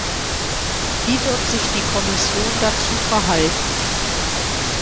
Wie wird sich die Kommission dazu verhalten?